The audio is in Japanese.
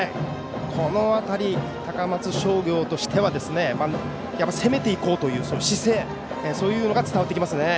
この辺り、高松商業としては攻めていこうという姿勢そういうものが伝わってきますね。